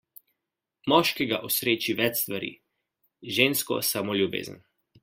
Moškega osreči več stvari, žensko samo ljubezen.